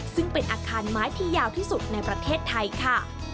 ซึ่งเป็นอาคารไม้ที่ยาวที่สุดในประเทศไทยค่ะ